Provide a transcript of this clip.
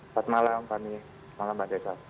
selamat malam mbak nia selamat malam mbak desaf